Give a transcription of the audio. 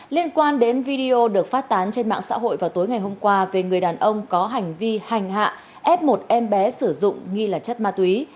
liên quan đến video được phát tán trên mạng xã hội vào tối ngày hôm qua về người đàn ông có hành vi hành hạ ép một em bé sử dụng nghi là chất ma túy